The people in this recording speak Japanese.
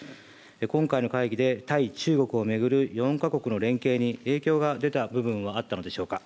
今回の会議で、対中国を巡る４か国の連携に影響が出た部分はあったのでしょうか。